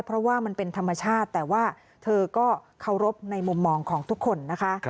เพราะว่ามันเป็นธรรมชาติแต่ว่าเธอก็เคารพในมุมมองของทุกคนนะคะ